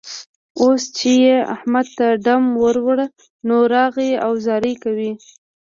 اوس چې يې احمد ته ډم ور وړ؛ نو، راغی او زارۍ کوي.